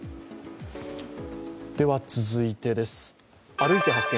続いて「歩いて発見！